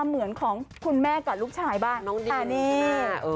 เหมือนจริงตากกับปากเนอะ